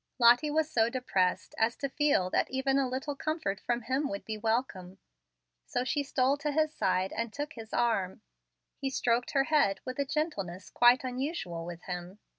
Lottie was so depressed as to feel that even a little comfort from him would be welcome; so she stole to his side and took his arm. He stroked her head with a gentleness quite unusual with him.